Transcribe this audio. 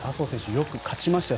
よく勝ちましたよ。